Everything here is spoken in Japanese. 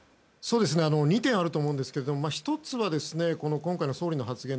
２点あると思いますが１つは、今回の総理の発言